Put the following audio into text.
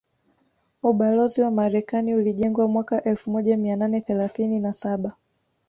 Ubalozi wa Marekani ulijengwa mwaka elfu moja mia nane thelathine na saba